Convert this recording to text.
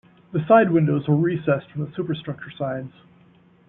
The side windows were recessed from the superstructure sides.